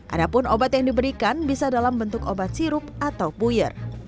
adapun obat yang diberikan bisa dalam bentuk obat sirup atau buyur